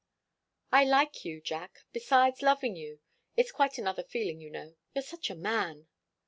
"I like you, Jack besides loving you. It's quite another feeling, you know. You're such a man!"